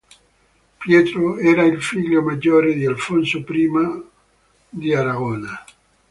Pietro era il figlio maggiore di Alfonso I di Aragona.